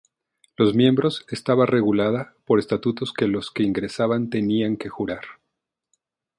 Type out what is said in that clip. Los miembros estaba regulada por estatutos que los que ingresaban tenían que jurar.